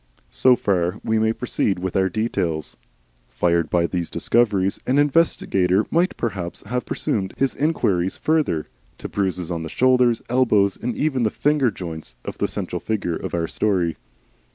So far we may proceed with our details. Fired by these discoveries, an investigator might perhaps have pursued his inquiries further to bruises on the shoulders, elbows, and even the finger joints, of the central figure of our story.